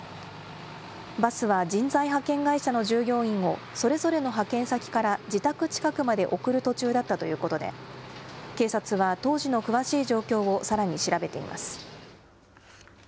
バスは人材派遣会社の従業員をそれぞれの派遣先から自宅近くまで送る途中だったということで、警察は当時の詳しい状況をさらに調べています。